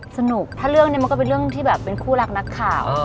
สนุกถ้าเรื่องนี้มันก็เป็นเรื่องที่แบบเป็นคู่รักนักข่าว